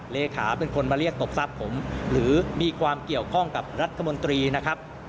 เลขาเป็นคนมาเรียกตบทรัพย์ผมหรือมีความเกี่ยวข้องกับรัฐมนตรีนะครับ